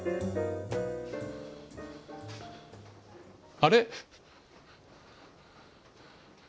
あれ？